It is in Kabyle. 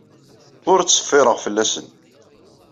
Ur ttṣeffireɣ fell-asen.